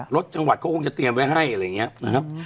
จังหวัดเขาคงจะเตรียมไว้ให้อะไรอย่างนี้นะครับ